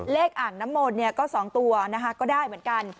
เลขอ่างน้ำมนต์เนี่ยก็สองตัวนะฮะก็ได้เหมือนกัน